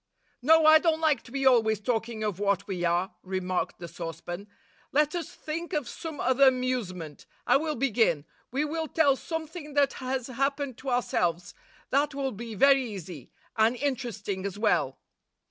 'No, I don't like to be always talking of what we are,' remarked the saucepan. ,' Let us think of some other amusement. I will begin. We will tell something that has happened to ourselves ; that will be very easy, and interesting as well.